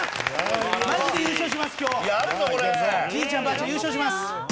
じいちゃんばあちゃん優勝します。